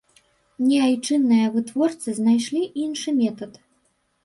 Не, айчынныя вытворцы знайшлі іншы метад.